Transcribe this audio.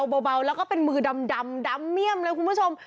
เบาแล้วก็เป็นมือดำเมี่ยมเลยคุณผู้ชม